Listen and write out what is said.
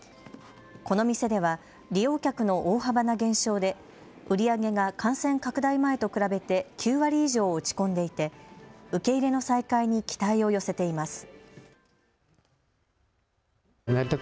この店では利用客の大幅な減少で売り上げが感染拡大前と比べて９割以上、落ち込んでいて受け入れの再開に期待を寄せています。